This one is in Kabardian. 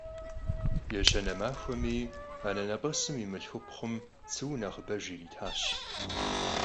Yêşane maxuemi anenep'esım yi mılhxupxhum tsıue nexhıbejj yiritaş.